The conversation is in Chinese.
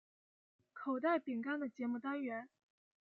口袋饼干的节目单元。